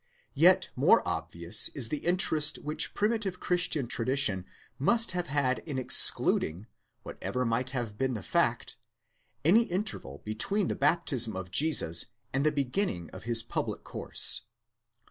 Yet more obvious is the interest which primitive Christian tradition must have had in excluding, whatever might have been the fact, any interval between the baptism of Jesus and the beginning of his public course.